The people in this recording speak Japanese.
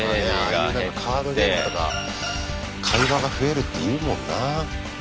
まあねああいうカードゲームとか会話が増えるって言うもんな。